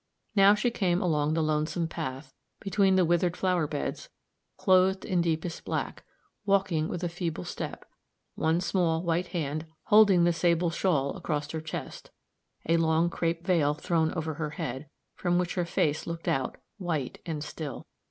Now she came along the lonesome path, between the withered flower beds, clothed in deepest black, walking with a feeble step, one small white hand holding the sable shawl across her chest, a long crape vail thrown over her head, from which her face looked out, white and still.